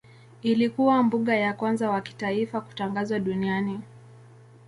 Ilikuwa mbuga ya kwanza wa kitaifa kutangazwa duniani.